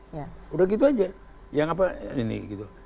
sudah gitu aja yang apa ini gitu